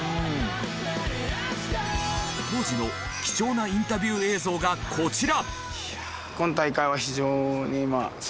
当時の貴重なインタビュー映像がこちら！